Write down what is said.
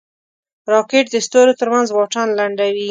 راکټ د ستورو ترمنځ واټن لنډوي